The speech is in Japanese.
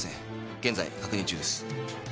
現在確認中です。